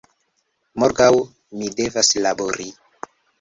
Morgaŭ mi devas labori"